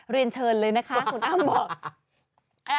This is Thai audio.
เรียนเชิญเลยนะคะคุณอ้ำบอก